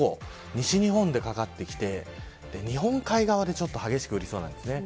西日本でかかってきて日本海側で激しく降りそうなんですね。